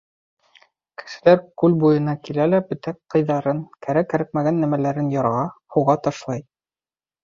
Кешеләр күл буйына килә лә бөтә ҡыйҙарын, кәрәк-кәрәкмәгән нәмәләрен ярға, һыуға ташлай.